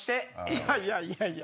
いやいやいやいや！